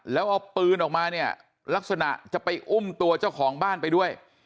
แล้วเอาปืนออกมาเนี่ยลักษณะจะไปอุ้มตัวเจ้าของบ้านไปด้วย